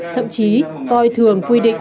thậm chí coi thường quy định